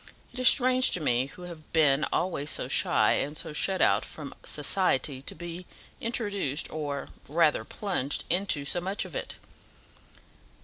It is strange to me, who have been always so shy, and so shut out from society, to be introduced or rather plunged into so much of it."